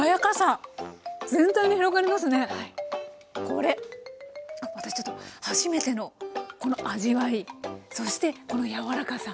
これ私ちょっと初めてのこの味わいそしてこの柔らかさ！